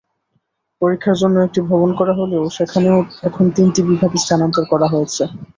পরীক্ষার জন্য একটি ভবন করা হলেও সেখানেও এখন তিনটি বিভাগ স্থানান্তর করা হয়েছে।